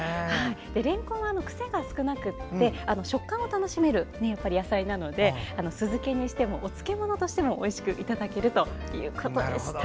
れんこんは癖が少なくて食感を楽しめる野菜なので酢漬けにしてもお漬物としてもおいしくいただけるということでした。